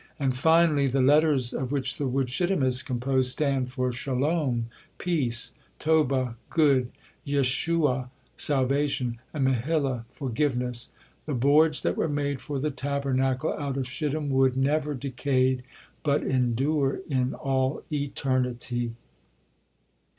And finally, the letters of which the wood "Shittim" is composed, stand for Shalom, "peace," Tobah, "good," Yesh'uah. "salvation," and Mehillah, "forgiveness." The boards that were made for the Tabernacle out of shittim wood never decayed, but endure in all eternity.